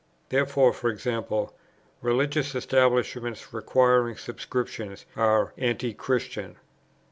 Therefore, e.g. religious establishments requiring subscription are Anti christian.